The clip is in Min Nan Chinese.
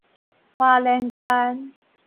花蓮縣